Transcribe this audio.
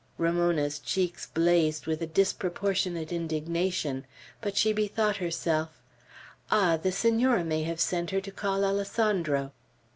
Ramona's cheeks blazed with a disproportionate indignation. But she bethought herself, "Ah, the Senora may have sent her to call Alessandro!"